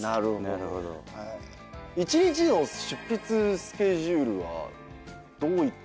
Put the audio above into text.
１日の執筆スケジュールはどういった。